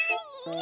え？